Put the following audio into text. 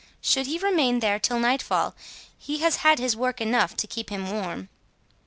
Should he remain there till night fall, he has had work enough to keep him warm."